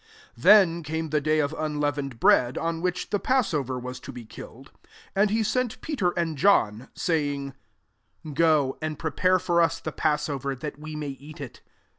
7 Then came the day of un leavened bread, on which the passover was to be killed. 8 And he sent Peter and John, saying, " Go, and prepare for us the passover, that we may eat rV.''